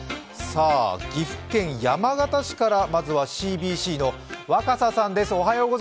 岐阜県山県市からまずはＣＢＣの若狭さんです。